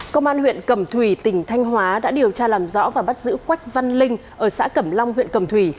công an huyện cẩm thủy tỉnh thanh hóa đã điều tra làm rõ và bắt giữ quách văn linh ở xã cẩm long huyện cầm thủy